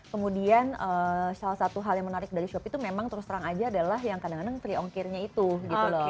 kemudian salah satu hal yang menarik dari shopee itu memang terus terang aja adalah yang kadang kadang tiga ongkirnya itu gitu loh